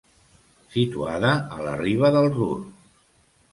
Situada a la riba del Ruhr.